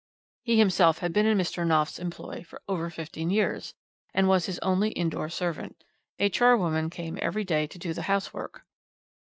He himself had been in Mr. Knopf's employ over fifteen years, and was his only indoor servant. A charwoman came every day to do the housework.